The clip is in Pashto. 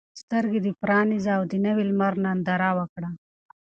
سترګې دې پرانیزه او د نوي لمر ننداره وکړه.